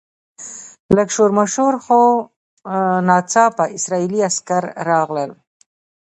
لږ شور ماشور و خو ناڅاپه اسرایلي عسکر راغلل.